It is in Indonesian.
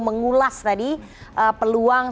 mengulas tadi peluang